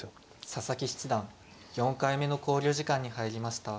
佐々木七段４回目の考慮時間に入りました。